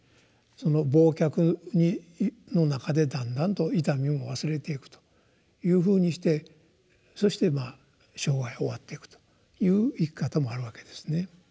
その忘却の中でだんだんと痛みも忘れていくというふうにしてそして生涯を終わっていくという生き方もあるわけですね。